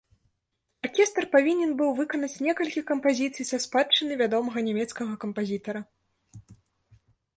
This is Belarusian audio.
Аркестр павінен быў выканаць некалькі кампазіцыі са спадчыны вядомага нямецкага кампазітара.